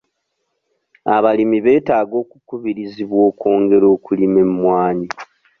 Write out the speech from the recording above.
Abalimi beetaaga okukubirizibwa okwongera okulima emmwanyi.